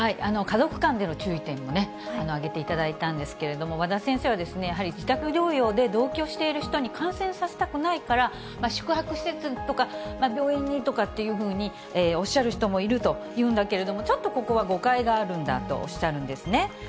家族間での注意点も挙げていただいたんですけれども、和田先生はやはり自宅療養で同居している人に感染させたくないから、宿泊施設とか病院にとかっていうふうにおっしゃる人もいるというんだけれども、ちょっとここは誤解があるんだとおっしゃるんですね。